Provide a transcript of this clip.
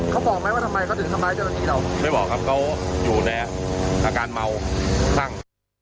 เขาบอกไหมว่าทำไมเขาถึงทำร้ายเจ้าหน้าที่เราไม่บอกครับเขาอยู่ในอาการเมาคลั่ง